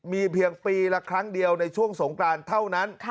มีเพียงปีละครั้งเดียวในช่วงสงกรานเท่านั้น